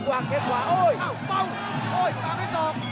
กว้างแค่ขวาโอ้โหเป้าโอ้โหตามที่สอง